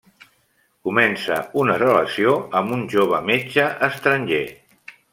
Comença una relació amb un jove metge estranger.